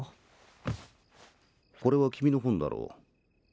これは君の本だろう。